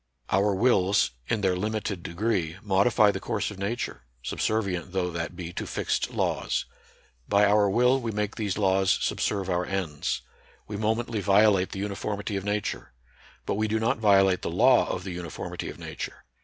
Our wills, in their limited degree, modify the course of Nature, subservi ent though that be to fixed laws. By our will we make these laws subserve our ends. "We momently violate the uniformity of Nature. But we do not violate the law of the uniformity of Nature.